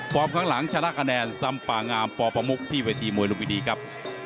ฟอร์มข้างหลังชนะคะแนนสัมปะงามปปมุกที่วิธีมวยรุมวิดีครับ